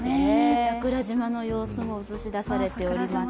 桜島の様子も映し出されております。